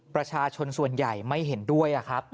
ประชาชนส่วนใหญ่ไม่เห็นด้วยครับ